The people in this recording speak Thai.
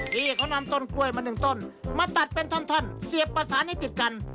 พี่เขานำต้นกล้วยมาหนึ่งต้นมาตัดเป็นท่อนเสียบประสานให้ติดกัน